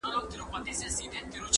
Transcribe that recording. تاسي ځئ ما مي قسمت ته ځان سپارلی٫